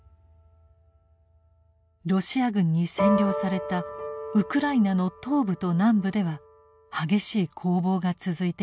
ロシア軍に占領されたウクライナの東部と南部では激しい攻防が続いていました。